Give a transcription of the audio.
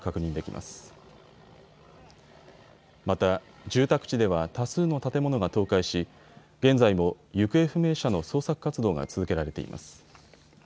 また住宅地では多数の建物が倒壊し現在も行方不明者の捜索活動が続けられています。